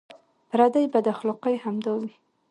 پردۍ بداخلاقۍ همدا وې.